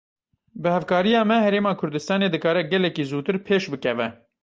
Bi hevkariya me Herêma Kurdistanê dikare gelekî zûtir pêş bikeve.